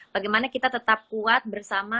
bagaimana kita tetap kuat bersama